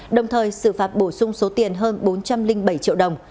đồng thời xử phạt bổ sung số tiền hơn bốn trăm linh bảy triệu đồng